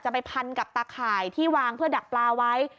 ไปพันกับตาข่ายที่วางเพื่อดักปลาไว้